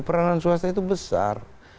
peranan swasta itu besar